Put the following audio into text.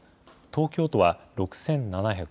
東京都は６７９７人。